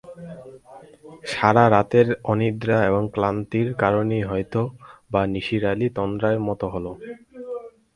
সারা রাতের অনিদ্রা এবং ক্লাস্তির কারণেই হয়তো-বা নিসার আলির তন্দ্রার মতো হল।